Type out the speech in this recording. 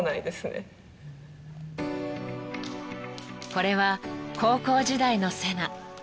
［これは高校時代のセナ］